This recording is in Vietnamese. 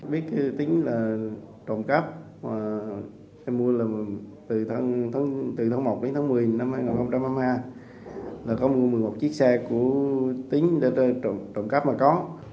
biết tính là trộm cắp và em mua từ tháng một đến tháng một mươi năm hai nghìn hai mươi hai là có mua một mươi một chiếc xe của tính để trộm cắp mà có